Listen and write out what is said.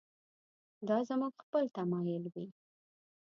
دا زموږ خپل تمایل وي.